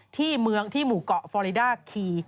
ที่หมู่เกาะฟอรีดาครี